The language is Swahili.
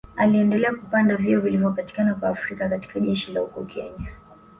Aliendelea kupanda vyeo vilivyopatikana kwa Waafrika katika jeshi la huko Kenya